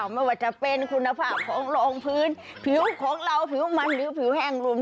ไม่ว่าจะเป็นคุณภาพของรองพื้นผิวของเราผิวมันหรือผิวแห้งรวม